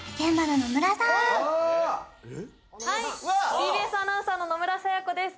はいＴＢＳアナウンサーの野村彩也子です